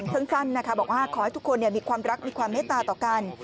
สั้นนะคะบอกว่าขอให้ทุกคนมีความรักมีความเมตตาต่อกัน